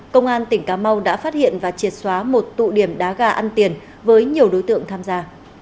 công an tỉnh cà mau đã phát hiện và triệt xóa một tụ điểm đá gà ăn tiền với nhiều đối tượng tham gia